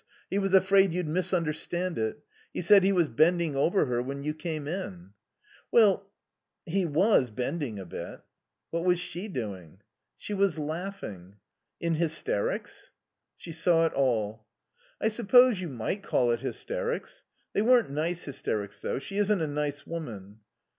He was afraid you'd misunderstand it. He said he was bending over her when you came in." "Well, he was bending a bit." "What was she doing?" "She was laughing." "In hysterics?" She saw it all. "I suppose you might call it hysterics. They weren't nice hysterics, though. She isn't a nice woman."